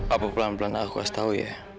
apa pelan pelan aku harus tahu ya